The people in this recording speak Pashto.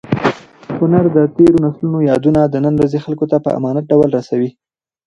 هنر د تېرو نسلونو یادونه د نن ورځې خلکو ته په امانت ډول رسوي.